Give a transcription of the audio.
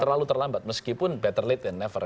terlalu terlambat meskipun better late than never